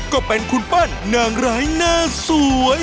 ก็เป็นคุณปั้นนางร้ายหน้าสวย